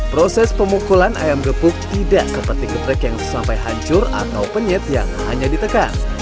proses pemukulan ayam gepuk tidak seperti gebrek yang sampai hancur atau penyet yang hanya ditekan